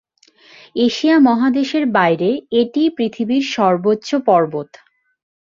Asia মহাদেশের বাইরে এটিই পৃথিবীর সর্বোচ্চ পর্বত।